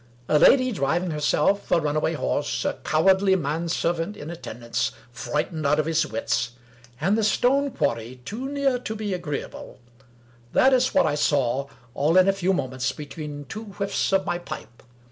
A lady driving herself; a runaway horse; a cowardly man servant in attendance, frightened out of his wits ; and the stone quarry too near to be agreeable — ^that is what I saw, all in a few moments, between two whiffs of my pipe.